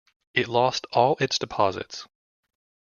It lost all its deposits.